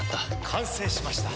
完成しました。